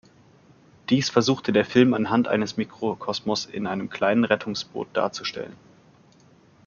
Dies versuchte der Film anhand eines Mikrokosmos in einem kleinen Rettungsboot darzustellen.